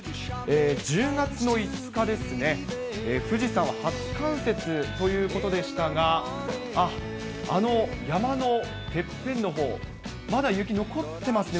１０月の５日ですね、富士山は初冠雪ということでしたが、あの山のてっぺんのほう、まだ雪、残ってますね。